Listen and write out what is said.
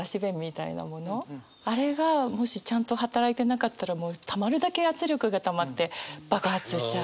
あれがもしちゃんと働いてなかったらもうたまるだけ圧力がたまって爆発しちゃう。